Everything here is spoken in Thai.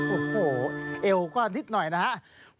โอ้โหเอวก็นิดหน่อยนะครับ